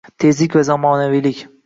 Tezlik va zamonaviylik